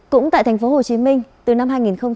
cũng tại tp hcm từ năm hai nghìn một mươi